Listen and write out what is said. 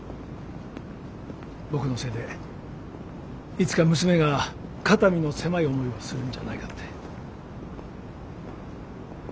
僕のせいでいつか娘が肩身の狭い思いをするんじゃないかって。